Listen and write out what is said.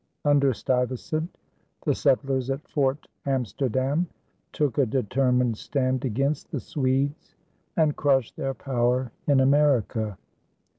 Under Stuyvesant the settlers at Fort Amsterdam took a determined stand against the Swedes and crushed their power in America.